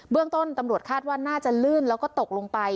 เรื่องต้นตำรวจคาดว่าน่าจะลื่นแล้วก็ตกลงไป